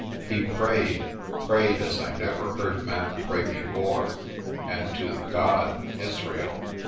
He prayed prayed as I never heard man pray before and to the God of Israel!